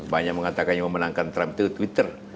banyak yang mengatakan yang memenangkan trump itu twitter